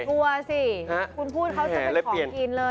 กลัวสิคุณพูดเขาจะเป็นของกินเลย